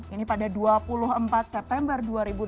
ini pada dua puluh empat september dua ribu dua puluh